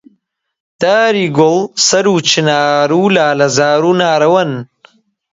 داری گوڵ، سەرو و چنار و لالەزار و نارەوەن